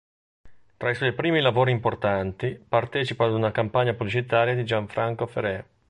Tra i suoi primi lavori importanti, partecipa ad una campagna pubblicitaria di Gianfranco Ferré.